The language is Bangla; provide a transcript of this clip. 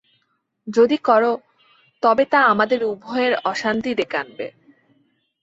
যদি কর, তবে তা তোমাদের উভয়ের অশান্তি ডেকে আনবে।